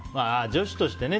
女子としてね。